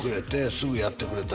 「すぐやってくれた」